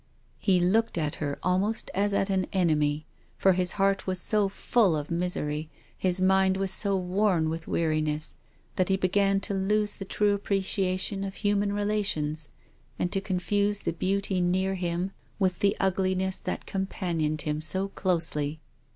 He looked at her almost as at an enemy, for his heart was so full of misery, his mind was so worn with weariness, that he began to lose the true appreciation of human relations, and to con fuse the beauty near him with the ugliness that companioned him so closely.